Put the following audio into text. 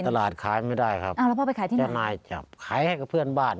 ไม่ครับตลาดขายไม่ได้ครับจ้านายจับขายให้กับเพื่อนบ้าน